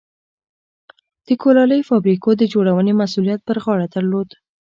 د کولالۍ فابریکو د جوړونې مسوولیت پر غاړه درلود.